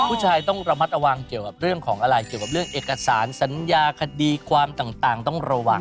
ผู้ชายต้องระมัดระวังเกี่ยวกับเรื่องของอะไรเกี่ยวกับเรื่องเอกสารสัญญาคดีความต่างต้องระวัง